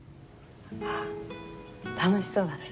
あっ楽しそうだね。